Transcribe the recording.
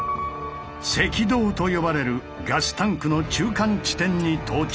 「赤道」と呼ばれるガスタンクの中間地点に到着。